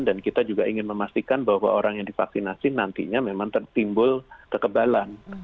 dan kita juga ingin memastikan bahwa orang yang divaksinasi nantinya memang tertimbul kekebalan